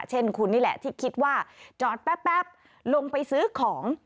เช่นคุณนี่แหละที่คิดว่าจอดแป๊บลงไปซื้อของ